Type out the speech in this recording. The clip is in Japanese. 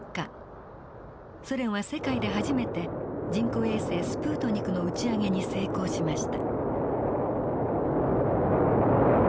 ソ連は世界で初めて人工衛星スプートニクの打ち上げに成功しました。